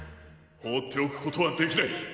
ほうっておくことはできない！